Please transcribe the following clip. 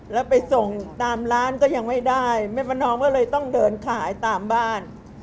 แล้วไปส่งตามร้านก็ยังไม่ได้แม่ประนอมก็เลยต้องเดินขายตามบ้าน